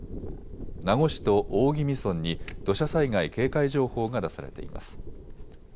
名護市と大宜味村に土砂災害警戒情報が出されています。